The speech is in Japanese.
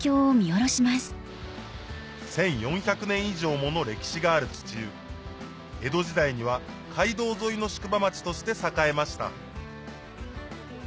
１４００年以上もの歴史がある土湯江戸時代には街道沿いの宿場町として栄えました